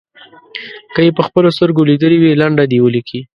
که یې په خپلو سترګو لیدلې وي لنډه دې ولیکي.